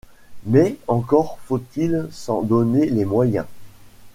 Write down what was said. Mais encore faut-il s'en donner les moyens.